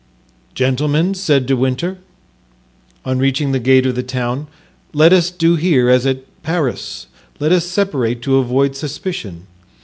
"Gentlemen," said De Winter, on reaching the gate of the town, "let us do here as at Paris—let us separate to avoid suspicion.